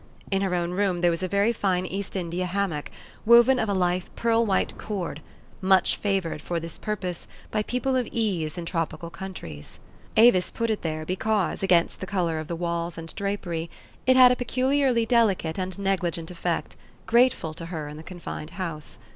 In her own room there was a very fine East India ham mock, woven of a lithe pearl white cord, much fa vored for this purpose by people of ease in tropi 242 THE STOKY OF AVIS. cal countries. Avis put it there, because, against the color of the walls and draper}', it had a peculiarly delicate and negligent effect, grateful to her in the confined house.